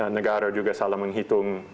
negara juga salah menghitung